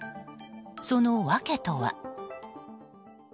その訳とは。